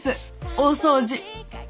大掃除。